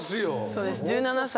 そうです１７歳で。